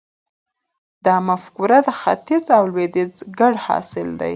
دا مفکوره د ختیځ او لویدیځ ګډ حاصل دی.